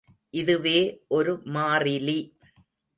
இதுவே ஒரு மாறிலி.